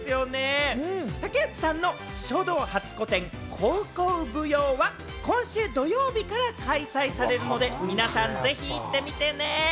竹内さんの書道初個展「煌々舞踊」は今週土曜日から開催されるので、皆さんぜひ行ってみてね。